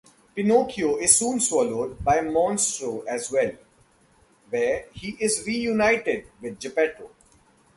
Pinocchio is soon swallowed by Monstro as well, where he is reunited with Geppetto.